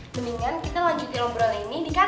mendingan kita lanjutin obrolan ini di kantin